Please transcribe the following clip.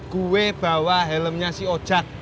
gue bawa helmnya si ojad